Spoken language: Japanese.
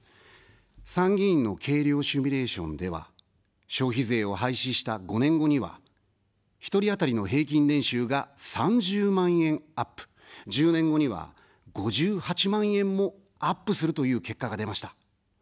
参議院の計量シミュレーションでは、消費税を廃止した５年後には１人当たりの平均年収が３０万円アップ、１０年後には５８万円もアップするという結果が出ました。